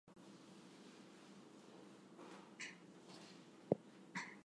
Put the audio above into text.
A separate tank brigade and special forces brigade were also reported.